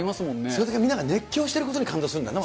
それだけみんなが熱狂していることに感動するんだね。